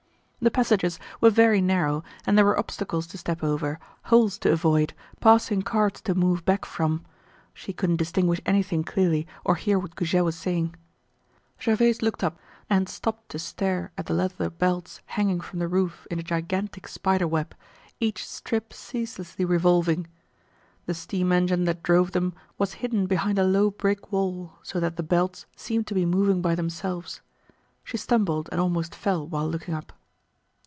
The passages were very narrow and there were obstacles to step over, holes to avoid, passing carts to move back from. She couldn't distinguish anything clearly or hear what Goujet was saying. Gervaise looked up and stopped to stare at the leather belts hanging from the roof in a gigantic spider web, each strip ceaselessly revolving. The steam engine that drove them was hidden behind a low brick wall so that the belts seemed to be moving by themselves. She stumbled and almost fell while looking up.